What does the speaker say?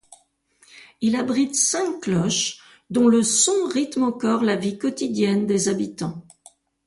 Il abrite cinq cloches, dont le son rythme encore la vie quotidiennes des habitants.